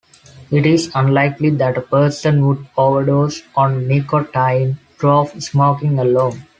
It is unlikely that a person would overdose on nicotine through smoking alone.